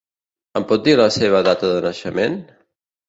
Em pot dir la seva data de naixement?